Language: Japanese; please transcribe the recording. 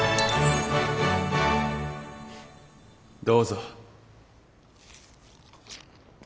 どうぞ。